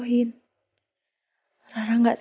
gak mungkin rara cerita kalau rara udah dijodohin